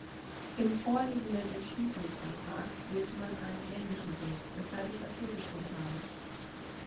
Im vorliegenden Entschließungsantrag wählt man einen ähnlichen Weg, weshalb ich dafür gestimmt habe.